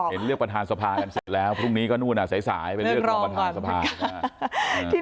เลือกประธานสภากันเสร็จแล้วพรุ่งนี้ก็นู่นอ่ะสายไปเลือกรองประธานสภานะครับ